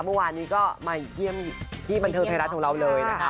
เมื่อวานนี้ก็มาเยี่ยมที่บันเทิงไทยรัฐของเราเลยนะคะ